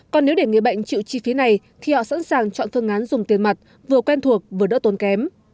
còn nếu để người bệnh chịu chi phí này thì họ sẵn sàng chọn phương án dùng tiền mặt vừa quen thuộc vừa đỡ tốn kém